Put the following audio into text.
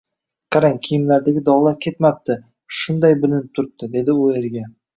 Qarang, kiyimlardagi dogʻlar ketmapti, shunday bilinib turibdi, dedi u eriga